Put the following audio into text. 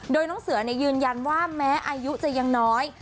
โดยน้องเสือยืนยันว่าแม้อายุจะยังน้อย